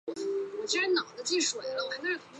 回程要坐在左侧